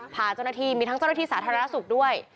พาเจ้าหน้าที่มีทั้งเจ้าหน้าที่สาธารณสุขด้วย